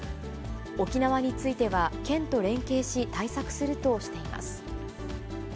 沖縄については県と連携し、対策するとしています。